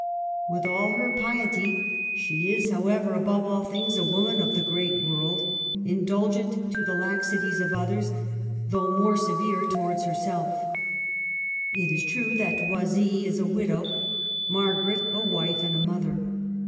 Widi all her piety she is, however, above all things a woman of the great world, indulgent to the laxities of others, though more severe towards herself It is true that Oisille is a widow, Mar garet a wife and a mother.